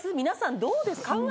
皆さんどうですか？